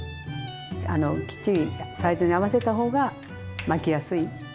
あのきっちりサイズに合わせた方が巻きやすい。